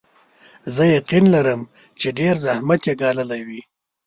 زه یقین لرم چې ډېر زحمت یې ګاللی وي.